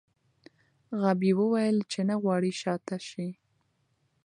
غابي وویل چې نه غواړي شا ته شي.